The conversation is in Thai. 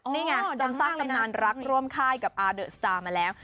นี่ไงจนสร้างตำนานรักร่วมค่ายกับอาเดอะสตาร์มาแล้ว